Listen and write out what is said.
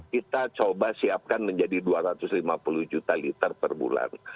kita coba siapkan menjadi dua ratus lima puluh juta liter per bulan